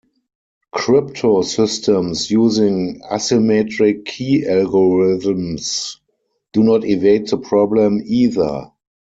Crypto systems using asymmetric key algorithms do not evade the problem either.